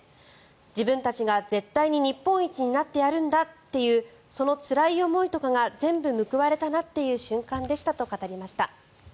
自分たちが絶対に日本一になってやるんだというそのつらい思いとか全部報われたなという瞬間でしたと語りました。